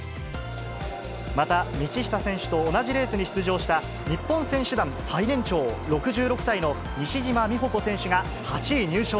また、道下選手と同じレースに出場した、日本選手団最年長、６６歳の西島美保子選手が８位入賞。